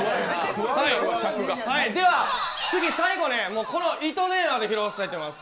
では、次、最後ね、糸電話で拾わせたいと思います。